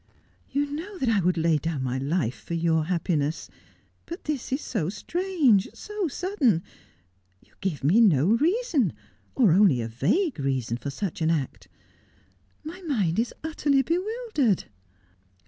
'You know that I would lay down my life for your happiness. But this is so strange, so sudden. You give me no reason, or only a vague reason, for such an act. My mind is utterly bewildered.'